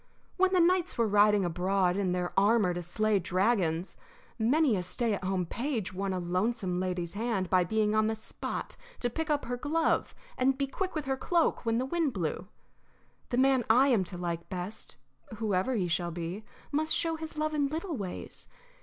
When the knights were riding abroad in their armor to slay dragons, many a stay at home page won a lonesome lady's hand by being on the spot to pick up her glove and be quick with her cloak when the wind blew. The man I am to like best, whoever he shall be, must show his love in little ways.